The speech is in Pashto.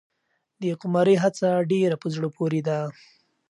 د قمرۍ هڅه ډېره په زړه پورې ده.